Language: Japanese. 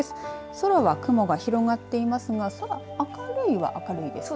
空は雲が広がっていますが空、明るいは明るいですね。